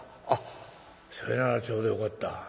「あっそれならちょうどよかった。